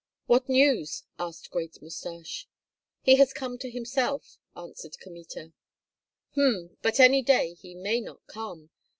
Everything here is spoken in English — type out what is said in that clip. "What news?" asked Great Mustache. "He has come to himself," answered Kmita. "H'm! But any day he may not come!